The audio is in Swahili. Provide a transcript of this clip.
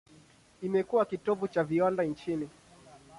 Imekuwa kitovu cha viwanda nchini.